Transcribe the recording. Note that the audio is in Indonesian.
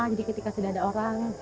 jadi ketika sudah ada orang